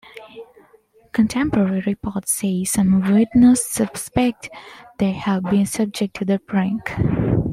Contemporary reporters say some witnesses suspect they had been subject to a prank.